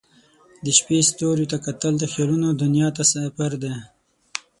د شپې ستوریو ته کتل د خیالونو دنیا ته سفر دی.